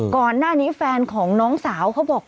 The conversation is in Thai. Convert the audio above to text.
ก่อนหน้านี้แฟนของน้องสาวเขาบอก